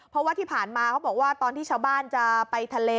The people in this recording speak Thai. เพราะว่าที่ผ่านมาเขาบอกว่าตอนที่ชาวบ้านจะไปทะเล